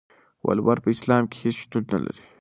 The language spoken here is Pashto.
ولور په اسلام کې هيڅ شتون نلري.